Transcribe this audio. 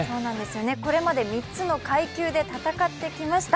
これまで３つの階級で戦ってきました。